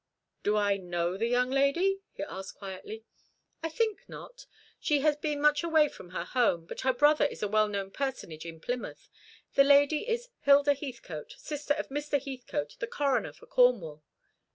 "Do I know the young lady?" he asked quietly. "I think not. She has not been much away from her home, but her brother is a well known personage in Plymouth. The lady is Hilda Heathcote, sister of Mr. Heathcote, the coroner for Cornwall."